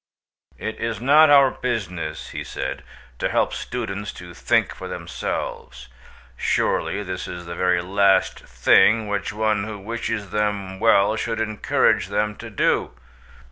"It is not our business," he said, "to help students to think for themselves. Surely this is the very last thing which one who wishes them well should encourage them to do.